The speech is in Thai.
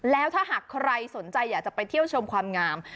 แล้วถ้าหากใครสนใจอยากจะไปเที่ยวชมความงาม